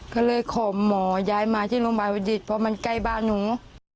ก็เลยขอหมอย้ายมาที่โรงบาลพุทธพอมันใกล้บ้านหนู